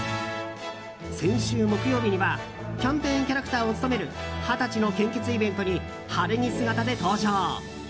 先週木曜日にはキャンペーンキャラクターを務める、二十歳の献血イベントに晴れ着姿で登場。